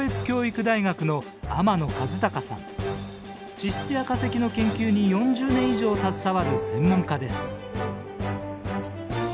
地質や化石の研究に４０年以上携わる専門家です。